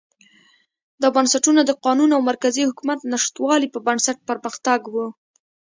دا بنسټونه د قانون او مرکزي حکومت نشتوالي په نسبت پرمختګ و.